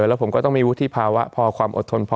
แล้วผมก็ต้องมีวุฒิภาวะพอความอดทนพอ